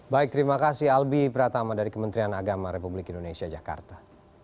baik terima kasih albi pratama dari kementerian agama republik indonesia jakarta